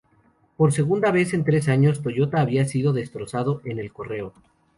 Por segunda vez en tres años, Toyota había sido destrozado en el correo.